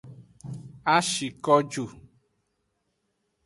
A shi ko ju.